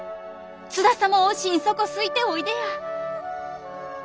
津田様を心底好いておいでや。